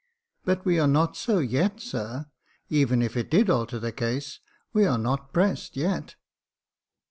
" But we are not so yet, sir ; even if it did alter the case, we are not pressed yet."